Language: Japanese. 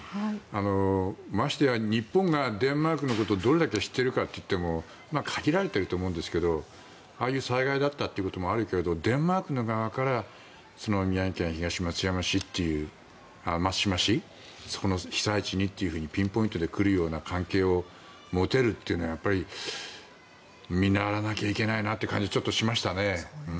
ましてや日本がデンマークのことをどれだけ知っているかといっても限られていると思うんですけどああいう災害だったっていうこともあるけどデンマークの側から宮城県東松島市というその被災地にピンポイントで来るような関係を持てるというのは見習わなきゃいけないなという感じがちょっとしましたね。